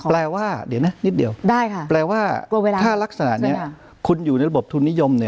แปลว่าเดี๋ยวนะนิดเดียวแปลว่าถ้ารักษณะนี้คุณอยู่ในระบบทุนนิยม